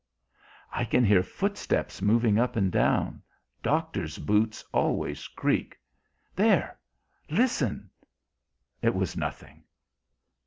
I can hear footsteps moving up and down. Doctors' boots always creak. There! Listen! It was nothing.